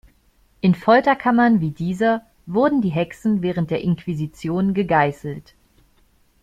In Folterkammern wie dieser wurden die Hexen während der Inquisition gegeißelt.